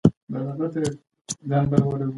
دا د اسلام لارښوونه ده.